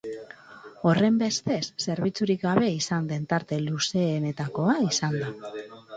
Horrenbestez zerbitzurik gabe izan den tarte luzeenetakoa izan da.